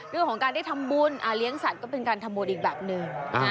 เรื่องของการได้ทำบุญเลี้ยงสัตว์ก็เป็นการทำบุญอีกแบบหนึ่ง